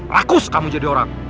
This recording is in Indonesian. rakus kamu jadi orang